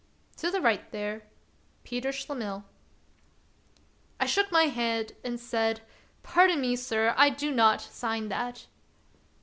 To the right there: Peter S cHLEMIHL." I shook my head and* said: " Pardon me, sir; I do not sign that."